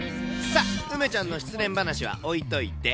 さあ、梅ちゃんの失恋話は置いといて。